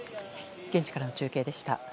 現地からの中継でした。